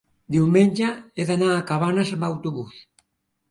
diumenge he d'anar a Cabanes amb autobús.